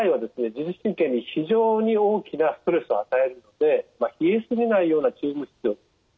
自律神経に非常に大きなストレスを与えるので冷えすぎないような注意も必要です。